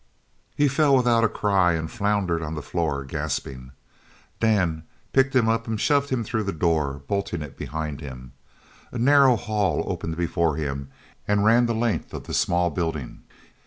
He fell without a cry and floundered on the floor, gasping. Dan picked him up and shoved him through the door, bolting it behind him. A narrow hall opened before him and ran the length of the small building.